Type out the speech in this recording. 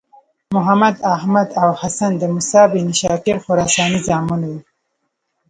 محمد، احمد او حسن د موسی بن شاګر خراساني زامن وو.